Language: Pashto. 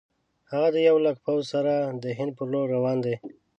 هغه د یو لک پوځ سره د هند پر لور روان دی.